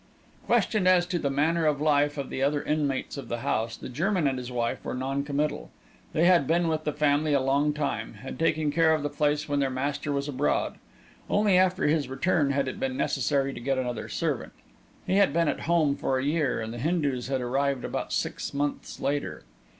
Questioned as to the manner of life of the other inmates of the house, the German and his wife were non committal. They had been with the family a long time; had taken care of the place when their master was abroad; only after his return had it been necessary to get another servant. He had been at home for a year, and the Hindus had arrived about six months later.